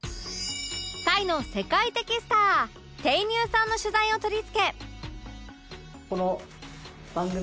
タイの世界的スター ＴａｙＮｅｗ さんの取材を取り付け